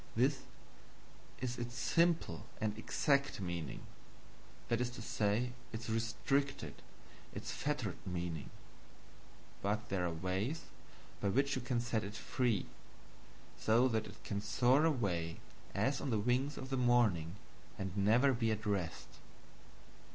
This is its simple and EXACT meaning that is to say, its restricted, its fettered meaning; but there are ways by which you can set it free, so that it can soar away, as on the wings of the morning, and never be at rest.